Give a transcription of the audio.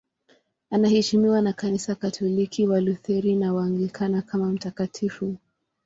Anaheshimiwa na Kanisa Katoliki, Walutheri na Waanglikana kama mtakatifu.